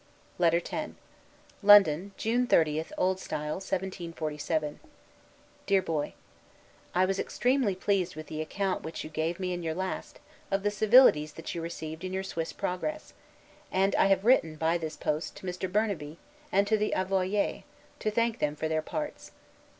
LETTER X LONDON, June 30, O. S. 1747 DEAR BOY: I was extremely pleased with the account which you gave me in your last, of the civilities that you received in your Swiss progress; and I have written, by this post, to Mr. Burnaby, and to the 'Avoyer,' to thank them for their parts.